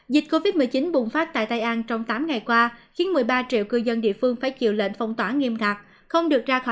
dịch covid một mươi chín bùng phát tại tây an trong tám ngày qua khiến một mươi ba triệu cư dân địa phương phải chịu lệnh phong tỏa nghiêm ngặt